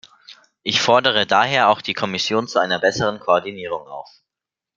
Ich fordere daher auch die Kommission zu einer besseren Koordinierung auf.